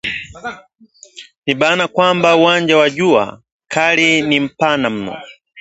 Ni bayana kwamba uwanja wa ‘Jua kali’ ni mpana mno